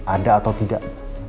ada atau tidak